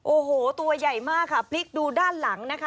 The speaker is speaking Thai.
โอ้โหตัวใหญ่มากค่ะพลิกดูด้านหลังนะคะ